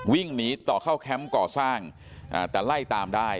วิ่งหนีต่อเข้าแคมป์ก่อสร้างแต่ไล่ตามได้